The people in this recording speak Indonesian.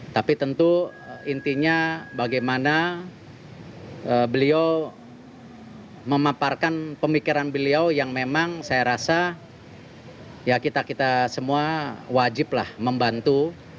tapi tentu intinya bagaimana beliau memaparkan pemikiran beliau yang memang saya rasa ya kita kita semua wajiblah membantu